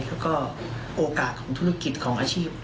แล้วก็โอกาสของธุรกิจของอาชีพ